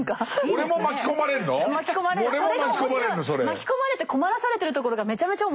巻き込まれて困らされてるところがめちゃめちゃ面白いんですよ。